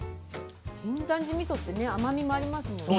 金山寺みそってね甘みもありますもんね。